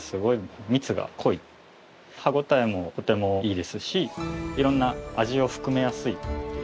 歯応えもとてもいいですし色んな味を含めやすいっていう。